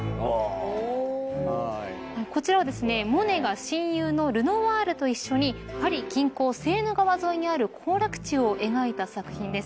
こちらはですねモネが親友のルノワールと一緒にパリ近郊セーヌ川沿いにある行楽地を描いた作品です。